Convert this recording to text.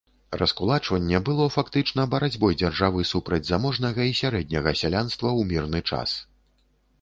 Раскулачванне было фактычна барацьбой дзяржавы супраць заможнага і сярэдняга сялянства ў мірны час.